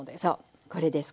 これです